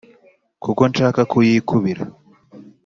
Kuko nshaka kuyikubira!”